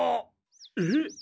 えっ？